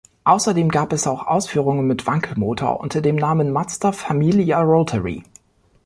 Außerdem gab es auch Ausführungen mit Wankelmotor unter dem Namen Mazda Familia Rotary.